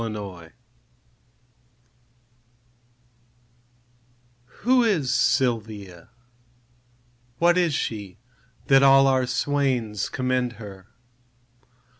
Silvia WHO is Silvia? What is she? That all our swains commend her?